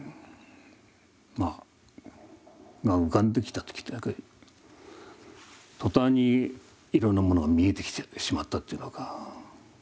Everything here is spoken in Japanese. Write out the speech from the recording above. まあが浮かんできた時途端にいろんなものが見えてきてしまったというのか。